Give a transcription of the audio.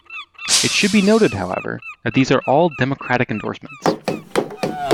It should be noted, however, that these are all Democratic endorsements.